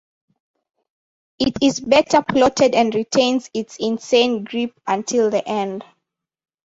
It is better plotted and retains its insane grip until the end.